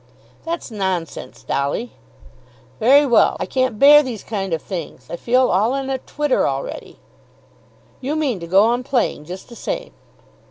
"That's nonsense, Dolly." "Very well. I can't bear these kind of things. I feel all in a twitter already." "You mean to go on playing just the same?"